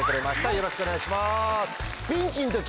よろしくお願いします。